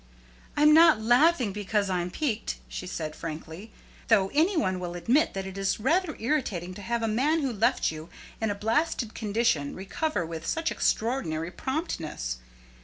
"I'm not laughing because I am piqued," she said frankly. "Though any one will admit that it is rather irritating to have a man who left you in a blasted condition recover with such extraordinary promptness.